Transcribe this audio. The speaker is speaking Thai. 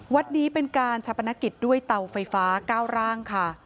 วัดนี้เป็นการชาปนกิจด้วยเตาไฟฟ้า๙ร่างค่ะ